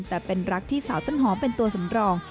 แต่เป็นรักที่สาวต้นหอมเป็นตัวสำรอง